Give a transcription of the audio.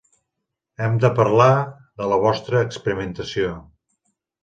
Hem de parlar de la vostra experimentació.